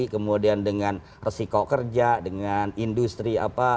kemudian dengan resiko kerja dengan industri apa